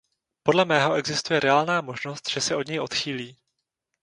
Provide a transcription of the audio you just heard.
Podle mého existuje reálná možnost, že se od něj odchýlí.